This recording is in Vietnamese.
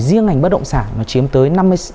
riêng ngành bất động sản nó chiếm tới